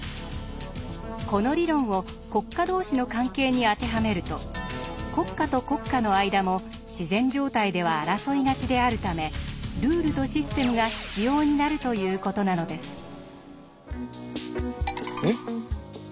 この理論を国家同士の関係に当てはめると国家と国家の間も自然状態では争いがちであるためルールとシステムが必要になるという事なのです。